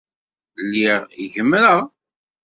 Lliɣ gemmreɣ.